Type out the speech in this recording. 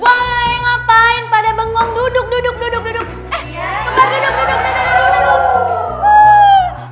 woi ngapain pada bengong duduk duduk duduk duduk duduk duduk duduk duduk duduk duduk duduk duduk duduk